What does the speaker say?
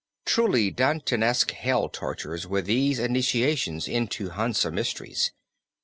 Truly Dantesque hell tortures were these initiations into Hansa mysteries.